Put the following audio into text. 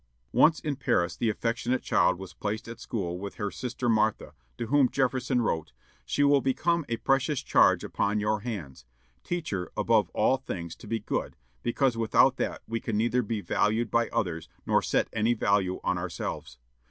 Once in Paris, the affectionate child was placed at school with her sister Martha, to whom Jefferson wrote: "She will become a precious charge upon your hands.... Teach her, above all things, to be good, because without that we can neither be valued by others nor set any value on ourselves.